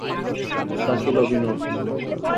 ডাকিল, Binod.